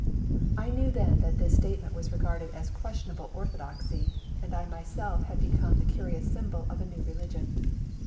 I knew then that this statement was regarded as questionable orthodoxy, and I myself had become the curious symbol of a new religion.